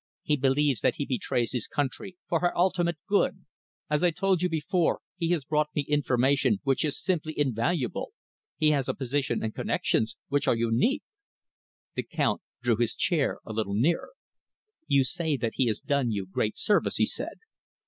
He believes that he betrays his country for her ultimate good. As I told you before, he has brought me information which is simply invaluable. He has a position and connections which are unique." The Count drew his chair a little nearer. "You say that he has done you great service," he said.